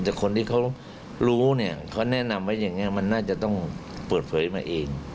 แต่คนที่เขารู้เนี่ยเขาแนะนำไว้อย่างนี้มันน่าจะต้องเปิดเผยมาเอง